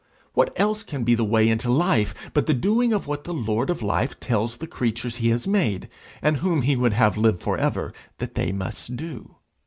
What else can be the way into life but the doing of what the Lord of life tells the creatures he has made, and whom he would have live for ever, that they must do?